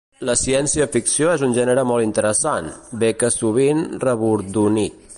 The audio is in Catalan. La ciència-ficció és un gènere molt interessant, bé que sovint rebordonit.